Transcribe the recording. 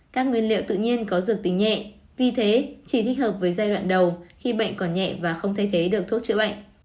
các nguyên liệu tự nhiên có dược tính nhẹ vì thế chỉ thích hợp với giai đoạn đầu khi bệnh còn nhẹ và không thay thế được thuốc chữa bệnh